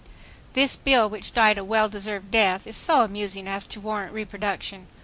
This bill, which died a well deserved death, is so amusing as to warrant reproduction.